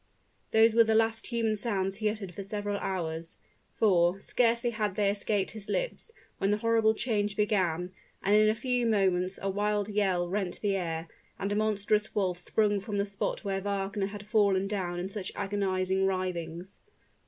Those were the last human sounds he uttered for several hours; for, scarcely had they escaped his lips, when the horrible change began, and in a few moments a wild yell rent the air, and a monstrous wolf sprung from the spot where Wagner had fallen down in such agonizing writhings.